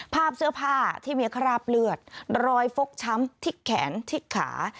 ภาพเสื้อผ้าที่มีคราบเลือดรอยฟกช้ำที่แขนที่ขา